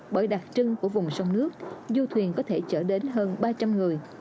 bởi đặc trưng của vùng sông nước du thuyền có thể chở đến hơn ba trăm linh người